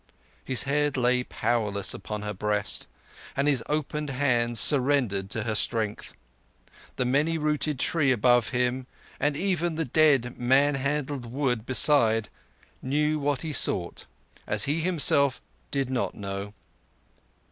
His head lay powerless upon her breast, and his opened hands surrendered to her strength. The many rooted tree above him, and even the dead manhandled wood beside, knew what he sought, as he himself did not know.